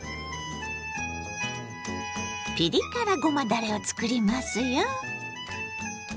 ピリ辛ごまだれを作りますよ。